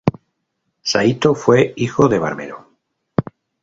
Saito fue hijo de barbero.